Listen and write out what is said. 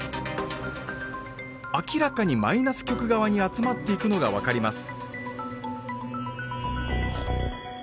明らかにマイナス極側に集まっていくのが分かります